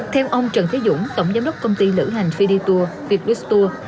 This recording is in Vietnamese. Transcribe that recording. theo ông trần thế dũng tổng giám đốc công ty lữ hành phi đi tour việt bức tour